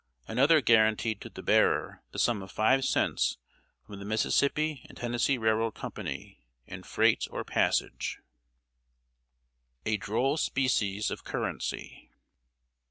Another guaranteed to the bearer "the sum of five cents from the Mississippi and Tennessee Railroad Company, in freight or passage!" [Sidenote: A DROLL SPECIES OF CURRENCY.